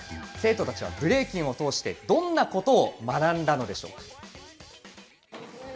生徒たちはブレイキンを通して、どんなことを学んだのでしょう。